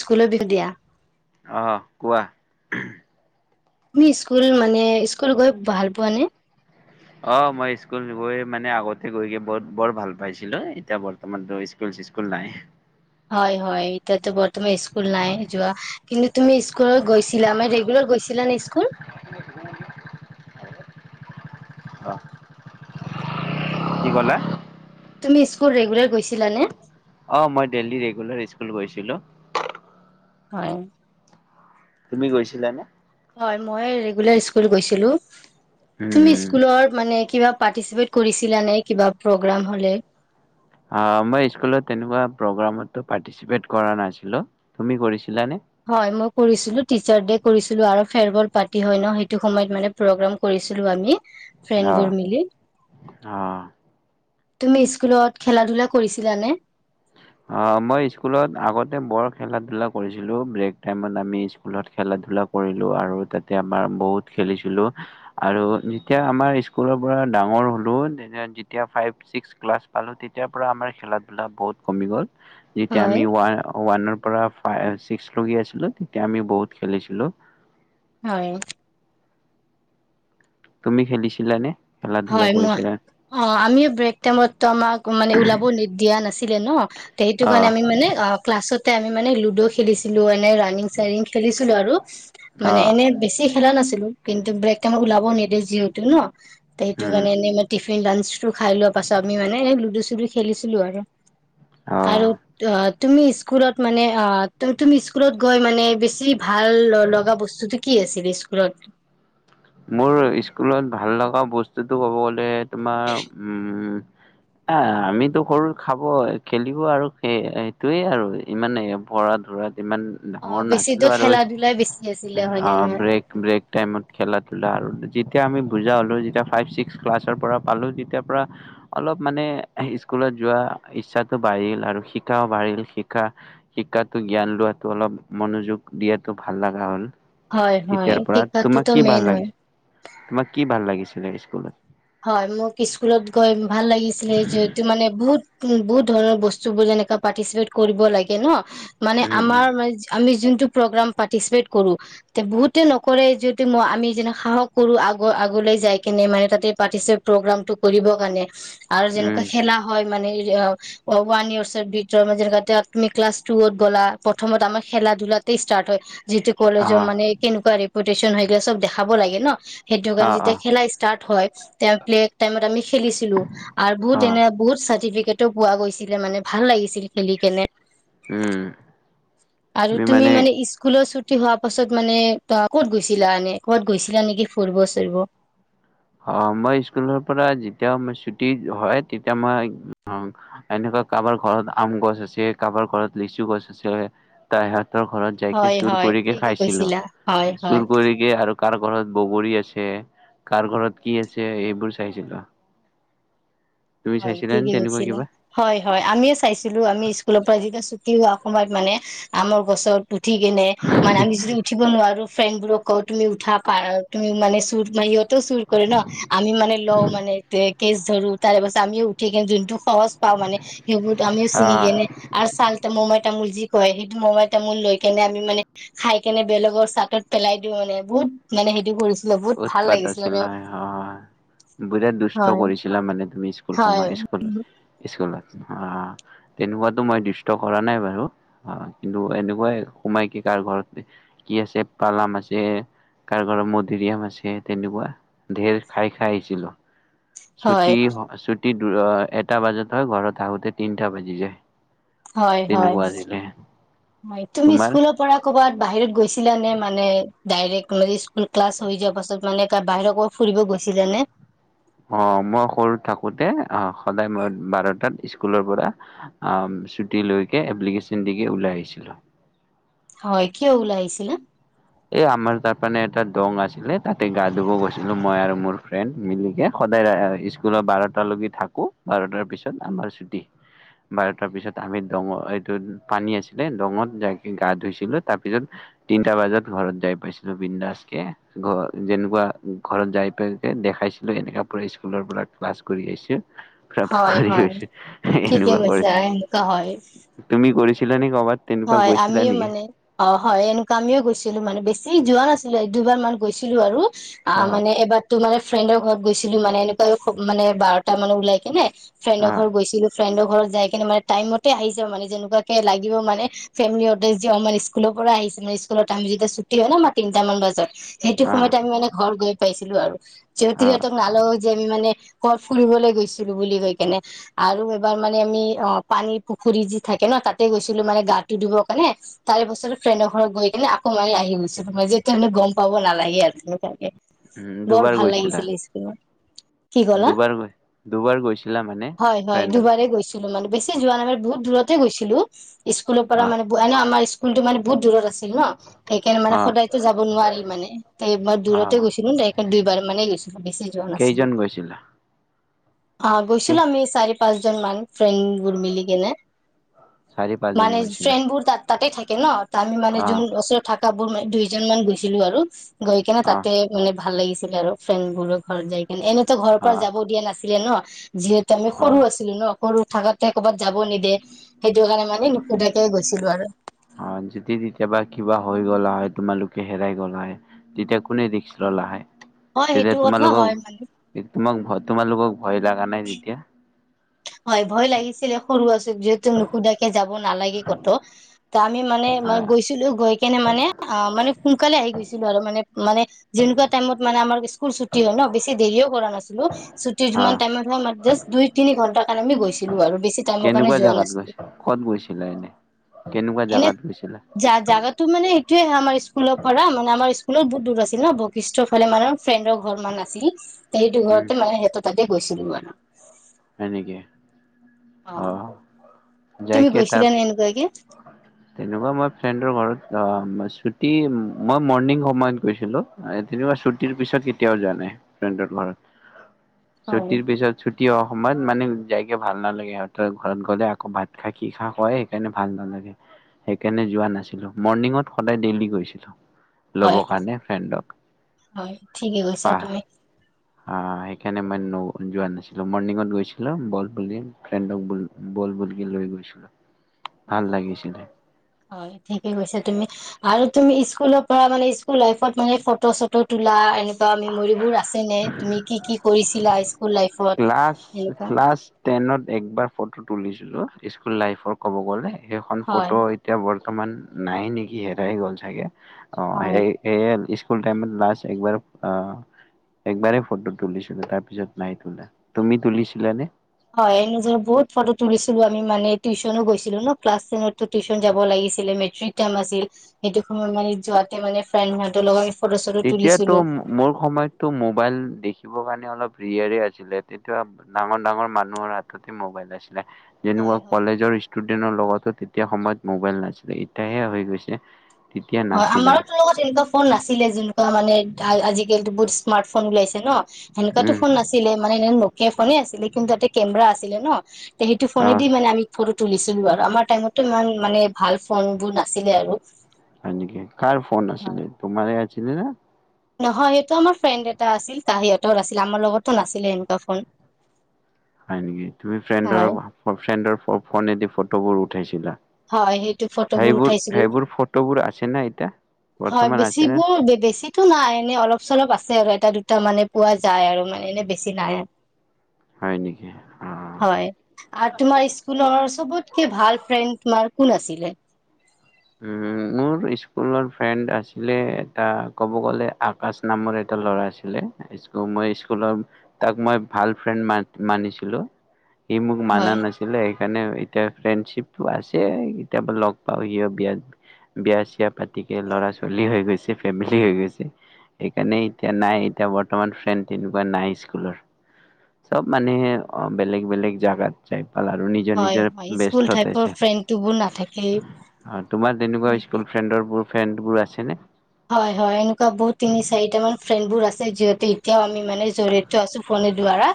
স্কুলো বিষয়ে দিয়া। অ', কোৱা। তুমি স্কুল মানে স্কুল গৈ ভাল পোৱা নে, অ', মই স্কুল গৈ মানে আগতে গৈ গে বৰ বৰ ভাল পাইছিলোঁ এতিয়া বৰ তোমাৰটো স্কুল চিস্কুল নাই। হয়, হয়, এতিয়াতো বৰ্তমান স্কুল নাই যোৱা। কিন্তু তুমি স্কুলত গৈছিলা মানে ৰেগুলাৰ গৈছিলা নে স্কুল? অ'। কি ক'লা? তুমি স্কুল ৰেগুলাৰ গৈছিলা নে? অ', মই ডেইলী ৰেগুলাৰ স্কুল গৈছিলোঁ। হয়। তুমি গৈছিলা নে? হয়, ময়ো ৰেগুলাৰ স্কুল গৈছিলোঁ। তুমি উম, স্কুলত মানে কিবা পাৰ্টিচিপেট কৰিছিলা নে কিবা প্ৰগ্ৰাম হ'লে? অ', মই স্কুলত তেনেকুৱা প্ৰগ্ৰামতটো পাৰ্টিচিপেত কৰা নাছিলোঁ, তুমি কৰিছিলানে? হয়, মই কৰিছিলো টিচাৰ দে কৰিছিলোঁ আৰু ফেৰৱেল পাৰ্টি হয় ন সেইটো সময়ত মানে প্ৰগ্ৰাম কৰিছিলোঁ আমি অ', ফ্ৰেণ্ডবোৰ মিলি অ'। তুমি স্কুলত খেলা ধূলা কৰিছিলানে অ মই স্কুলত আগতে বৰ খেলা ধূলা কৰিছিলোঁ ব্ৰেক টাইমত আমি স্কুলত খেলা ধূলা কৰিলোঁ আৰু তাতে আমাৰ বহুত খেলিছিলোঁ আৰু যেতিয়া আমাৰ স্কুলৰ পৰা ডাঙৰ হ'লো তেতিয়া যেতিয়া ফাইভ ছিক্স ক্লাছ পালোঁ তেতিয়াৰ পৰা আমাৰ খেলা ধূলা বহুত কমি গ'ল যেতিয়া হয় আমি ওৱানৰ পৰা ফাইভ ছিক্স লগি আছিলোঁ তেতিয়া আমি বহুত খেলিছিলোঁ হয় তুমি খেলিছিলা নে খেলা ধূলা হয় মই কৰিছিলা অ আমি ব্ৰেক টাইমতো আমাক মানে ওলাব দিয়া নাছিলে ন সেইটো কাৰণে অ' আমি মানে ক্লাছত আমি মানে লুডো খেলিছিলো। এনে ৰানিং চনিং খেলিছিলো। আৰু মানে অ' এনে বেছি খেলা নাছিলো। কিন্তু, ব্ৰেক টাইমত ওলাবও নিদিয়ে যিহেতু ন সেইটো উম, কাৰণে এনে টিফিন লাঞ্চ খাই লোৱা পাছত আমি মানে এ লুডু চুডু খেলিছিলো আৰু আৰু অ'। অ', তুমি স্কুলত মানে অ, তুমি স্কুলত গৈ মানে বেছি ভাল লগা বস্তু কি আছিলে স্কুলত মোৰ স্কুলত ভাল লগা বস্তুতটো ক'ব গ'লে তোমাৰ উম', অ' আমিতো সৰু খাব খেলিব আৰু সেই সেইটোয়ে আৰু ইমানে পৰা ধৰাত ইমান অ ডাঙৰ বেছিতো নাছিলো আৰু খেলা ধূলাই বেছি আছিলে হয় অ, নে নহয় ব্ৰেক ব্ৰেক টাইমত খেলাত খেলা আৰু যেতিয়া আমি বুজা হ'লোঁ যেতিয়া ফাইভ ছিক্স ক্লাছৰ পৰা পালো। তেতিয়াৰ পৰা অলপ মানে স্কুলত যোৱা ইচ্ছাটো বাঢ়িল আৰু শিকাও বাঢ়িল। শিকা শিকাটো জ্ঞান লোৱাতো অলপ মনোযোগ দিয়াতো ভাল লগা হ'ল। হয় হয় তেতিয়াৰ পৰা শিক্ষাটোতো তোমাক কি মেইন ভাল হয় লাগিছিল। তোমাক কি ভাল লাগিছিলে স্কুলত হয়। মোক স্কুলত গৈ ভাল লাগিছিলে। যিহেতু মানে বহুত উ বহুত ধৰণৰ বস্তু বোৰ যেনেকা পাৰ্টীচিপেট কৰিব লাগে ন মানে উম আমাৰ উম আমি যোনটো প্ৰ'গ্ৰাম পাৰ্টিচিপেট কৰো। তে বহুতে নকৰে যিহেতু মই আমি যেনে সাহস কৰো আগৰ আগলৈ যাই কিনে মানে তাতে পাতিছে প্ৰ গ্ৰামটো কৰিবৰ কাৰণে আৰু উম যেনেকুৱা খেলা হয়। অ', ওৱান ইয়াৰ্চৰ ভিতৰত যেনে তুমি ক্লাছ টুত গ'লা প্ৰথমত আমাৰ খেলা ধূলাতে ষ্টাৰ্ট হয়। যিটো অ কলেজৰ মানে কেনেকুৱা ৰেপুটচন হয় চব দেখাব লাগে ন সেইটো অ কাৰণে অ যেতিয়া খেলা ষ্টাৰট হয় তে প্লে টাইমত আমি খেলিছিলো আৰু অ বহুত এনে বহুত চাৰ্টিফিকেেতো পোৱা গৈছিলে মানে ভাল লাগিছিল খেলি কিনে উম', আৰু তুমি মানে স্কুল চুট ছুটি হোৱা পাছত মানে ত ক'ত গৈছিলা। এনে ক'ত গৈছিলা নেকি ফুৰিব চুৰিব। অ', মই স্কুলৰ পৰা যেতিয়া ছুটি হয়। তেতিয়া মই এনেকুৱা কাৰোবাৰ ঘৰত আম গছ আছে। কাৰোবাৰ ঘৰত লিচু গছ আছে। ত সহঁতৰ ঘৰত যাইকে হয় চুৰ হয় কৰিকে ঠিকে খাইছিলো কৈছিলা হয় চুৰ হয় কৰিকে আৰু কাৰ ঘৰত বগৰী আছে। কাৰ ঘৰত কি আছে। এইবোৰ চাইছিলো। তুমি হয় চাইছিলানে ঠিকেই তেনেকুৱা কৈছিলা। কিবা হয় হয় আমিও চাইছিলো। আমি স্কুলৰ পৰা যতিয়া ছুটি হোৱা সময়ত মানে আমৰ গছত উঠি কেনে [unintelligible] [unintelligible] উঠিব নোৱাৰো ফ্ৰেণ্ডবোৰক কও তুমি উঠা পা তুমি মানে চুৰ মাৰত ত চুৰ কৰে ন। আমি মানে লওঁ মানে এ কেছ ধৰো তাৰে পাছত আমিও উঠি কিনে যোনটো সহজ পাওঁ মানে সেইবোৰ আমিও ছিঙি আহ কেনে আৰু ছাল ত ম'মাই তামোল যি কয়, সেইটো ম'মাই তামোল লৈ কেনে, আমি মানে খাই কেনে, বেলেগৰ চাটত পেলাই দিও মানে, বহুত মানে হেটো কৰিছো। উৎপাত আছিল নহ, অ', বোলে দুষ্ট হয় কৰিছিলা মানে তুমি স্কুল হয় সময়ত স্কুললত তেনেকুৱাতো মই দুষ্ট কৰা নাই বাৰু, অ', কিন্তু এনেকুৱাই সোমাই কি, কাৰ ঘৰত কি আছে, পালাম আছে, কাৰ ঘৰত মধু মধুৰীয়াম আছে তেনেকুৱা, ঢেৰ খাই, খাই আহিছিলোঁ। হয় ছুটি, ছুটি এটা বজাত হয়। ঘৰত আহোতে তিনিটা বাজি যায়। হয়, হয়, তেনেকুৱা আছিলে হয়, তুমি তোমাৰ? স্কুলত পৰা ক'বাত বাহিৰত গৈছিলা নে, মানে ডাইৰেক্ট স্কুল ক্লাছ হৈ যোৱাৰ পাছত মানে বাহিৰৰ ফুৰিব গৈছিলা নে? অ', মই সৰু থাকোতে, অ', সদায় মই বাৰটাত স্কুলৰ পৰা ছুটী লৈকে, এপ্লিকেশন দিকে, ওলাই আহিছিলো। হয়, কিয় ওলাই আহিছিলা? এ আমাৰ তাৰ মানে এটা দং আছিলে, তাতে গা ধুব গৈছিলো, মই আৰু মোৰ ফ্ৰেণ্ড মিলিকে। সদায় স্কুলৰ বাৰটালৈকে থাকো, বাৰটাৰ পিছত আমাৰ ছুটি। বাৰু তাৰপিছত আমি দঙ, এইটো পানী আছিলে দঙত, যাই আমি গা ধুইছিলো। তাৰপিছত তিনিটা বজাত। ঘৰত যাই পাইছিলো বিন্দাছকে, ঘৰ যেনেকুৱা ঘৰত যাই, পাই কে দেখাইছিলো এনেকা স্কুলৰ পৰা, ক্লাছ কৰি আহিছোঁ। তাৰপৰা হয় হেৰি হয় গৈছে ঠিকে এনেকুৱা কৰি, কৈছা এনেকুৱা হয় তুমি কৰিছিলা নে কৰ'বাত? তেনেকুৱা হয়, গৈছিলা আমিও নেকি মানে অ', হয়, এনেকুৱা আমিও গৈছিলো, মানে বেছি যোৱা নাছিলোঁ, এক, দুবাৰ মান গৈছিলো আৰু। হা অ', মানে এবাৰটো মানে, ফ্ৰেণ্ডৰ ঘৰত গৈছিলো, মানে এনেকুৱা মানে বাৰটা মানে ওলাই কেনে। ফ্ৰেণ্ডৰ হা ঘৰত গৈছিলো, ফ্ৰেণ্ডৰ ঘৰত যাই কিনে, মানে টাইম মতে আহিছো মানে, যেনেকুৱাকে লাগিব মানে। ফেমিলিহতে যে, আমাৰ স্কুলৰ পৰা আহিছে, স্কুলত আমি যেতিয়া ছুটি হয় ন' আমাৰ তিনিটামান বজাত। সেইটো হা সময়ত, আমি মানে ঘৰ গৈ পাইছিলো, আৰু যিহতু হা সিহঁতক নালাগক যে আমি মানে ক'ত ফুৰিবলৈ গৈছিলো বুলি, কৈ কেনে। আৰু এইবাৰ মানে, আমি অ', পানী পুখুৰী যি থাকে ন', তাতে গৈছিলো মানে গাটো ধুবৰ কাৰণে। তাৰেপাছতো ফ্ৰেণ্ডৰ ঘৰত গৈ কিনে, আকৌ মাৰি আহি গৈছিলো, যেতিয়া আমি গ'ম পাব নালাগে আৰু তেনেকুৱাকে। উম বৰ দুবাৰ ভাল গৈছিলা লাগিছিলে স্কুলত। কি ক'লা, দুবাৰ গৈ দুবাৰ গৈছিলা মানে হয়, হয়, ফ্ৰেণ্ডৰ দুবাৰে গৈছো। মানে বেছি যোৱা নাই, বহুত দূৰতে গৈছিলো, স্কুলৰ পৰা অ মানে এনেও আমাৰ স্কুলটো মানে, বহুত দূৰত আছিল ন। সেইকাৰণে, মানে অ সদায়তো যাব নোৱাৰি, মানে ত' মই অ দূৰতে গৈছিলো, ডাইৰেক্ট দুইবাৰ মানে গৈছিলো, বেছি যোৱা নাছিলো কেইজন গৈছিলা? অ', কি গৈছিলো আমি, চাৰি, পাঁচজন মান ফ্ৰেণ্ড মিলি কিনে। চাৰি পাঁচজন মানে গৈছিলা ফ্ৰেণ্ডবোৰ তাত তাতে থাকে ন', তাৰ মানে অ যোন ওচৰত, থাকাবোৰ দুইজন মান গৈছিলো আৰু। গৈ কেনে, অহ তাতে মানে ভাল লাগিছিলে আৰু, ফ্ৰেণ্ডবোৰৰ ঘৰত যাই কেনে এনে। ত' ঘৰৰ পৰা অহ যাব দিয়া নাছিলে ন, যিহেতু আমি সৰু অহ আছিলো ন'। সৰু থাকাতে ক'ৰবাত যাব নিদিয়ে, সেইটো কাৰণে মানে নুসোধাকে গৈছিলো আৰু। অ', যদি তেতিয়া বা কিবা হৈ গ'লা হয়, তোমালোকে হেৰাই গ'লা হয়। তেতিয়া, কোনে ৰিক্স ল'লা হয়। হয় তেতিয়া, সেইটো কথা তোমালোকক হয় মানে তোমাক ভয়, তোমালোকক ভয় লাগা নাই তেতিয়া। হয় ভয় লাগিছিলে, সৰু আছোঁ যিহেত নুসোধাকে যাব নালাগে ক'তো ত' আমি মানে হা গৈছিলোঁ গৈ কেনে মানে অ' মানে সোনকালে আহি গৈছিলোঁ আৰু মানে মানে যেনেকুৱা টাইমত মানে আমাৰ স্কুল ছুটি হয় ন' বেছি দেৰিও কৰা নাছিলোঁ। ছুটিত হা যিমান টাইমত হয় আমি জাষ্ট দুই তিনি ঘণ্টাৰ কাৰণে আমি গৈছিলোঁ আৰু, বেছি টাইমৰ কাৰণে কেনেকুৱা যোৱা জাগাত নাছিলোঁ। গৈছা ক'ত গৈছিলা এনেই, কেনেকুৱা জেগাত গৈছিলা? জা-জাগাতো মানে এইটোয়ে হয় আমাৰ স্কুলৰ পৰা মানে স্কুলত বহুত দূৰ আছিল ন' বৈশিষ্টৰ ফালে মানে ফ্ৰেণ্ডৰ ঘৰ মান আছিল তে সেইটো উম ঘৰতে মানে সিহঁতৰ তাতে গৈছিলোঁ মানে। হয় নেকি, অ আহ, তুমি যাইকে তাত [unintelligible] [inaudible] তেনেকুৱা মই ফ্ৰেণ্ডৰ ঘৰত অ' ছুটি মই মৰ্ণিং সময়ত গৈছিলোঁ। এই তেনকুৱা ছুটিৰ পিছত কেতিয়াও যোৱা নাই ফ্ৰেণ্ডৰ ঘৰত। [inaudible] ছুটিৰ পিছত ছুটি হোৱাৰ সময়ত মানে যাইকে ভাল নালাগে, সিহঁতৰ ঘৰত গ'লে আকৌ ভাত খা কি খা কয় সেইকাৰণে ভাল নালাগে সেইকাৰণে যোৱা নাছিলো, মৰ্ণিঙত সদায় ডেইলি গৈছিলোঁ। হয় ল'বৰ কাৰণে ফ্ৰেণ্ডক। হয় ঠিকে কৈছা বাহ তুমি অ' সেইকাৰণে মই ন যোৱা নাছিলোঁ, মৰ্ণিঙত গৈছিলোঁ বল বুলি ফ্ৰেণ্ডক বুল বল বুল কি লৈ গৈছোঁ। হয়, হয়, ঠিকে কৈছা তুমি আৰু তুমি স্কুলৰ পৰা মানে, স্কুল লাইফত মানে ফটো চটো তোলা এনে তা মেমৰিবোৰ আছে নে, তুমি কি কি কৰিছিলা স্কুল লাইফত সেনেকুৱা? টেইনত একবাৰ ফটো তুলিছিলোঁ স্কুল লাইফৰ ক'ব গ'লে, সেইখন হয় ফটো এতিয়া বৰ্তমান নাই নেকি হেৰাই গ'ল চাগে, অ' হয় সেই সেয়ে স্কুল টাইমত লাষ্ট একবাৰ আ, একবাৰে ফটো তুলিছিলোঁ তাৰ পিছত নাই তোলা। তুমি তুলিছিলানে? হয়, আমি যে বহুত ফটো তুলিছিলোঁ, আমি মানে টিউচনো গৈছিলোঁ ন' ক্লাছ টেইনতটো টিউচন যাব লাগিছিলে, মেট্ৰিক টাইম আছিল, সেইটো সময়ত মানে যোৱাতে মানে ফ্ৰেণ্ড সিহঁতৰ লগত ফটো চটো তেতিয়া তো তুলিছিলো মোৰ সময়তটো মোবাইল দেখিবৰ কাৰণে অলপ ৰিয়েৰে আছিলে তেতিয়া ডাঙৰ ডাঙৰ মানুহৰ হাততে মোবাইল আছিলে। যেনেকুৱা হয় হয় কলেজৰ ষ্টুডেন্টৰ লগতো তেতিয়া সময়ত মোবাইল নাছিলে, এতিয়াহে হৈ গৈছে। তেতিয়া হয় নাছিলে আমাৰোটো লগত তেনেকুৱা ফোন নাছিলে যেনেকুৱা মানে আজিকালিটো বহুত স্মাৰ্ট ফোন ওলাইছে ন' হেনেকুৱাটো উম ফোন নাছি ছিলে মানে, এনে নোকীয়া ফোনে আছিলে কিন্তু তাতে কেমেৰা আছিলে ন' তে সেইটো অ ফোনেদি মানে আমি ফটো তুলিছিলোঁ আৰু, আমাৰ টাইমতটো ইমান মানে ভাল ফোনবোৰ নাছিলে আৰু। হয় নেকি, কাৰ ফোন হয়। আছিলে, তোমাৰেই আছিলেনে? নহয় সেইটো আমাৰ ফ্ৰেণ্ড এটা আছিল তাৰ সিহঁতৰ আছিলে। আমাৰ লগতো নাছিলে এনেকুৱা ফোন। হয়' নেকি, তুমি ফ্ৰেণ্ডৰ হয় ফ্ৰেণ্ডৰ ফোনেদি ফটোবোৰ উঠাইছিলা? হয়, সেইটো ফটোবোৰ সেইবোৰ উঠাইছিলো সেইবোৰ ফটোবোৰ আছেনে এতিয়া? হয় বৰ্তমান আছে নে বেছিবোৰ বেছি টো নাই এনেই অলপ চলপ আছে আৰু এটা দুটা মানে পোৱা যায় আৰু মানে এনে বেছি নাই। হয় নেকি? হয়। আৰু তোমাৰ স্কুলৰ চবতকে ভাল ফ্ৰেণ্ড তোমাৰ কোন আছিলে? উম মোৰ স্কুলৰ ফ্ৰেণ্ড আছিলে এটা ক'ব গ'লে, আকাশ নামৰ এটা ল'ৰা আছিলে। স্কুল মই স্কুলৰ তাক মই ভাল ফ্ৰেণ্ড মান-মানিছিলো। সি মোক মানা হয়, নাছিলে, সেইকাৰণে এতিয়া ফ্ৰেণ্ডশ্বিপটো আছে, কেতিয়াবা লগ পাওঁ কিবা বিয়াত বিয়া চিয়া পাতি কেনে ল'ৰা -ছোৱালী হৈ গৈছে, ফেমেলি হৈ গৈছে। সেইকাৰণে এতিয়া নাই, এতিয়া বৰ্তমান ফ্ৰেণ্ড তেনেকুৱা নাই স্কুলৰ চব মানে অ', বেলেগ-বেলেগ জাগাত যাই পাল আৰু নি হয় হয়, স্কুল টাইপৰ ফ্ৰেণ্ডটো বোৰ নাথাকেই। অ', তোমাৰ তেনেকুৱা স্কুল ফ্ৰেণ্ডৰবোৰ, ফ্ৰেণ্ডবোৰ আছে নে? হয় হয়, এনেকুৱা বহুত তিনি চাৰিটা মান ফ্ৰেণ্ড বোৰ আছে যিহেতু এতিয়াও আমি মানে জৰি়ত আছোঁ, ফোনে দ্বাৰা,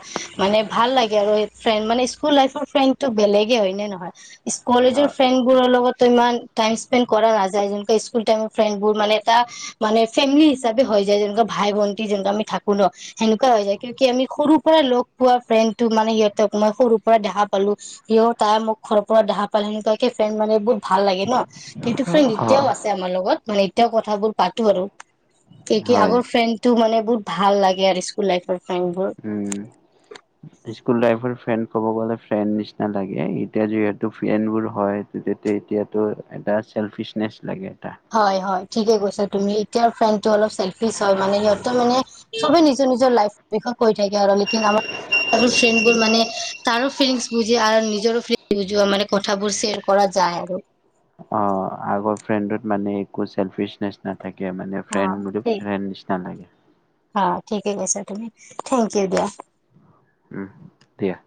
মানে ভাল লাগে আৰু এই, ফ্ৰেণ্ড মানে স্কুল লাইফৰ ফ্ৰেণ্ডটো বেলেগে হয় নে নহয়? ইছ অ কলেজৰ ফ্ৰেণ্ড বোৰৰ লগত ইমান টাইম স্পেন্দ কৰা নাযায়, যেনেকুৱা স্কুল টাইমৰ ফ্ৰেণ্ডবোৰ মানে এটা মানে ফেমিলি হিচাপে হৈ যায় যেনেকুৱা ভাই ভন্টি যেনেকা আমি থাকো ন সেনেকুৱা হৈ যায়, কিয়কি আমি সৰুৰ পৰা লগ পোৱা ফ্ৰেণ্ডটো, মানে সিহঁতক মই সৰুৰ পৰা দেখা পালো। সিও তাই মোক সৰুৰ পৰা দেখা পালে [unintelligible] ফেন মানে বহুত ভাল লাগে ন, সেইটো ফ্ৰেণ্ড অ এতিয়াও আছে, আমাৰ লগত মানে এতিয়াও কথাবোৰ পাতো আৰু। এই কি হয় আগৰ ফ্ৰেণ্ডতটো মানে বহুত ভাল লাগে আৰু স্কুল লাইফৰ ফ্ৰেণ্ড বোৰ। উম। স্কুল লাইফৰ ফ্ৰেণ্ড ক'ব গলে, ফ্ৰেণ্ড নিচিনা লাগে এতিয়া যিহেতু ফ্ৰেণ্ড বোৰ হয়। [unintelligible] এতিয়াতো এটা চেল্ফিচনেচ লাগে এটা। হয় হয়, ঠিকে কৈছা তুমি, এতিয়া ফ্ৰেণ্ড টো অলপ চেল্ফিচ হয়, মানে সিহত তৰ মানে, চবে নিজৰ নিজৰ লাইফৰ বিষয়ে কৈ থাকে আৰু লেকিন আমাৰ আৰু ফ্ৰেণ্ড বোৰ মানে, তাৰো ফিলিংছ বুজি নিজৰো ফ্লি বুজোৱা মানে কথা বোৰ চেৰ কৰা যায় আৰু। অ', আগৰ ফ্ৰেণ্ডত মানে একো চেলফিচনেছ নাথাকে, মানে অ ফ্ৰেণ্ড বোৰো ঠিক ফ্ৰেণ্ড নিচ [unintelligible] অ', ঠিকে কৈছা তুমি, থেংক ইউ দিয়া। উম দিয়া।